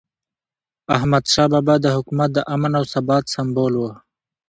احمدشاه بابا د حکومت د امن او ثبات سمبول و.